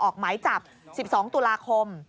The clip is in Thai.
ออกหมายจับ๑๒ตุลาคม